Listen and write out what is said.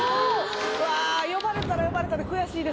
うわ呼ばれたら呼ばれたで悔しいですね。